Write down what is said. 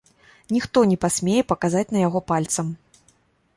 Ніхто не пасмее паказаць на яго пальцам.